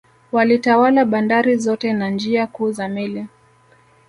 Walitawala bandari zote na njia kuu za meli